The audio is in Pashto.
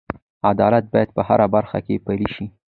عدالت باید په هره برخه کې پلی شي.